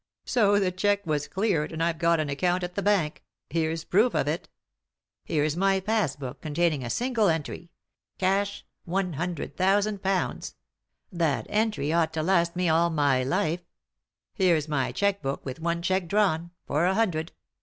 " So the cheque was cleared, and I've got an account at the bank — here's proof of it. Here's my pass book, containing a single entry —' Cash, £ 100,000 '— that entry ought to last me all my life. Here's my cheque book, with one cheque drawn — for a hundred.